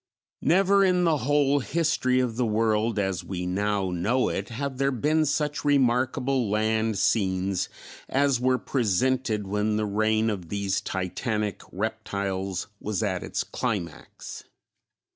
_ Never in the whole history of the world as we now know it have there been such remarkable land scenes as were presented when the reign of these titanic reptiles was at its climax.